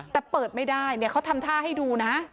แต่เปิดไม่ได้เขาทำท่าให้ดูนะ